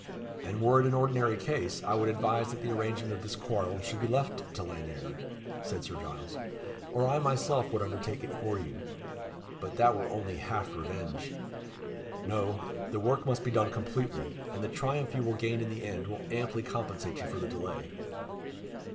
"And were it an ordinary case, I would advise that the arrangement of this quarrel should be left to Lanyere," said Sir Giles; "or I myself would undertake it for you. But that were only half revenge. No; the work must be done completely; and the triumph you will gain in the end will amply compensate you for the delay."